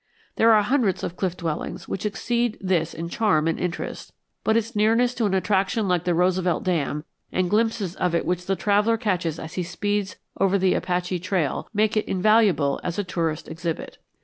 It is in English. There are hundreds of cliff dwellings which exceed this in charm and interest, but its nearness to an attraction like the Roosevelt Dam and glimpses of it which the traveller catches as he speeds over the Apache Trail make it invaluable as a tourist exhibit.